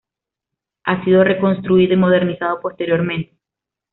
Ha sido reconstruido y modernizado posteriormente.